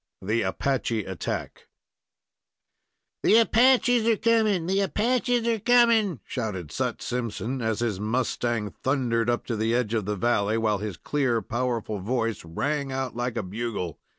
THE APACHE ATTACK "The Apaches are coming! The Apaches are coming!" shouted Sut Simpson, as his mustang thundered up to the edge of the valley, while his clear, powerful voice rang out like a bugle.